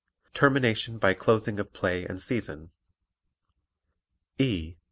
Termination By Closing of Play and Season E.